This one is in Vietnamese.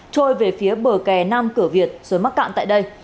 trôi về phía bờ kè nam cửa việt rồi mắc cạn tại đây